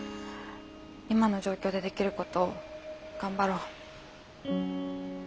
今の状況でできることを頑張ろう。